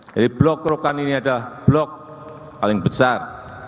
jadi blok rokan ini adalah blok paling besar